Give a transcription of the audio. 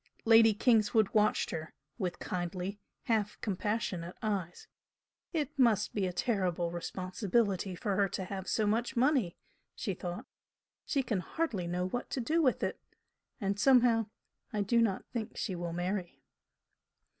Lady Kingswood watched her, with kindly, half compassionate eyes. "It must be a terrible responsibility for her to have so much money!" she thought. "She can hardly know what to do with it! And somehow I do not think she will marry."